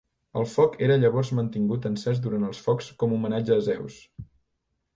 El foc era llavors mantingut encès durant els Jocs com homenatge a Zeus.